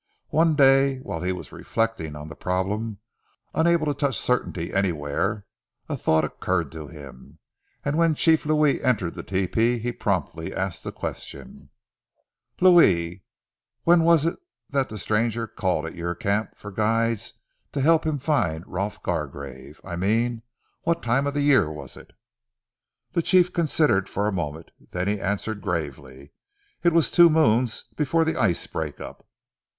One day, whilst he was reflecting on the problem, unable to touch certainty anywhere, a thought occurred to him, and when Chief Louis entered the tepee he promptly asked a question "Louis, when was it that the stranger called at your camp for guides to help him to find Rolf Gargrave? I mean what time of the year was it?" The chief considered for a moment. Then he answered gravely. "It was two moons before ze ice break up."